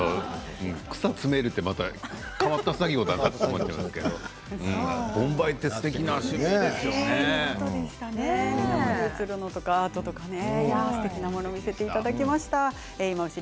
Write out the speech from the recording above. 草を詰めるって、また変わった作業だなと思っちゃいますけどすてきなものを見せていただきました。